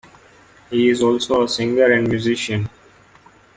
He is also a singer and musician.